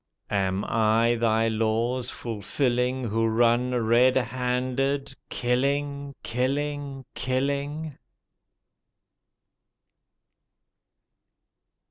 Am I Thy laws fulfilling Who run red handed — ^killing, kiUing, killing?